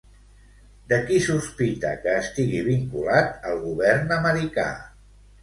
De qui sospita que estigui vinculat al govern americà?